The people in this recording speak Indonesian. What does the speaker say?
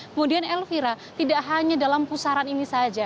kemudian elvira tidak hanya dalam pusaran ini saja